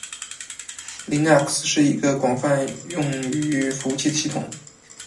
Linux 是一个广泛用于服务器的系统